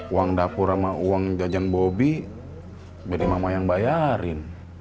uang dapur sama uang jajang bobi jadi mama yang bayarin